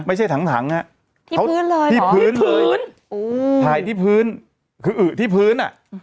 ไม่ใช่ถังที่พื้นเลยถ่ายที่พื้นคืออึที่พื้น